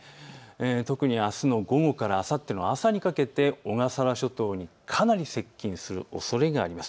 特にあすの午後からあさっての朝にかけて小笠原諸島、かなり接近するおそれがあります。